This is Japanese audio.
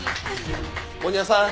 茂庭さん